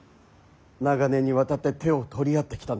長年にわたって手を取り合ってきた仲間。